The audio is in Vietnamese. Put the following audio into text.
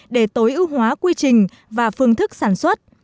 để tối ưu hóa quy trình và phương thức sản xuất